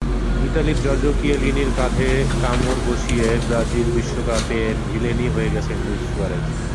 ইতালির জর্জো কিয়েলিনির কাঁধে কামড় বসিয়ে ব্রাজিল বিশ্বকাপের ভিলেনই হয়ে গেছেন লুইস সুয়ারেজ।